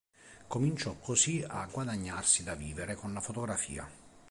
Cominciò così a guadagnarsi da vivere con la fotografia.